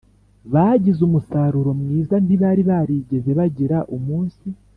bagize umusaruro mwiza Ntibari barigeze bagira Umunsi